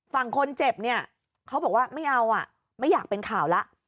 ฝั่งคนเจ็บเนี่ยเขาบอกว่าไม่เอาอ่ะไม่อยากเป็นข่าวแล้ว